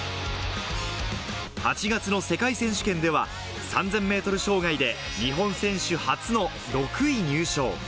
８月の世界選手権では、３０００ｍ障害で日本選手初の６位入賞。